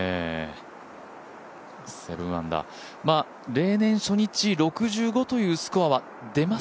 ７アンダー、例年初日、６５というスコアは出ます？